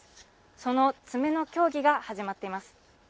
その詰めの協議が始まっています。